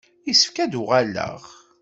Yessefk ad d-uɣaleɣ.